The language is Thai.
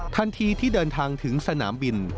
ทันทีที่เดินทางถึงสนามบิน